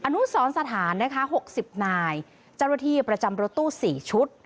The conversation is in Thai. อนุสรรค์สถานนะคะ๖๐นายจรฐีประจำรถตู้๔ชุด